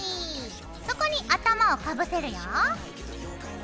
そこに頭をかぶせるよ。